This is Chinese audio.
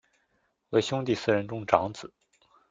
为兄弟四人中长子。